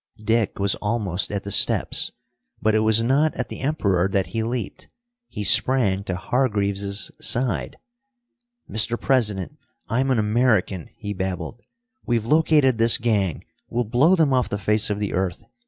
Dick was almost at the steps. But it was not at the Emperor that he leaped. He sprang to Hargreaves's side. "Mr. President, I'm an American," he babbled. "We've located this gang, we'll blow them off the face of the earth.